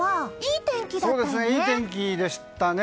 いい天気でしたね。